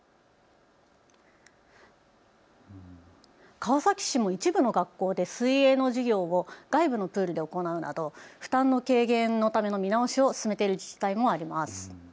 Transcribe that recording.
川崎市も一部の学校で水泳の授業を外部のプールで行うなど負担の軽減のための見直しを進めている自治体もあります。